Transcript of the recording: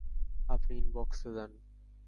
আপনি ইনবক্সে দেন।